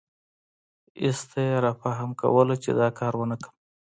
ایسته یې رافهم کوله چې دا کار ونکړم.